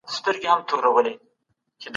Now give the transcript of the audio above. هغه به ستونزي په اسانۍ حل کړي.